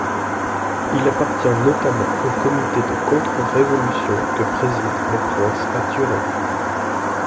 Il appartient notamment au Comité de contre-révolution que préside le prince à Turin.